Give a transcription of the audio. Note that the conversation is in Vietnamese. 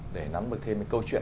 để nắm được thêm những câu chuyện